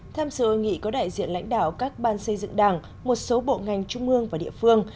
tham sự hội nghị có đại diện lãnh đạo các ban xây dựng đảng một số bộ ngành trung ương và địa phương